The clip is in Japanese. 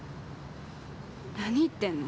何言ってんの？